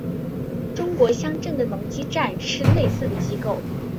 中国乡镇的农机站是类似的机构。